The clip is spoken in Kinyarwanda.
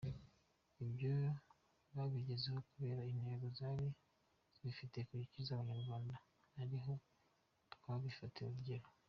Ibyo zabigezeho kubera intego zari zifite yo gukiza Abanyarwanda, ari ho twafatira urugero”.